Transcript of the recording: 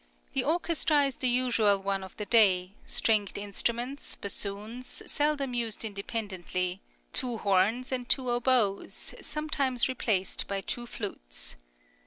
The orchestra is the usual one of the day, stringed instruments, bassoons, seldom used independently, two horns, and two oboes, sometimes replaced by two flutes.